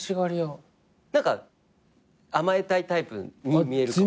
何か甘えたいタイプに見えるかも。